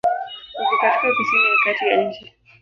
Uko katika kusini ya kati ya nchi.